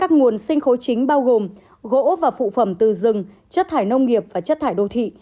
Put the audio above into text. các nguồn sinh khối chính bao gồm gỗ và phụ phẩm từ rừng chất thải nông nghiệp và chất thải đô thị